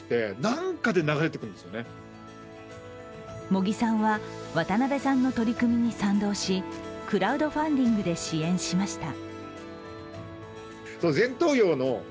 茂木さんは、渡邊さんの取り組みに賛同しクラウドファンディングで支援しました。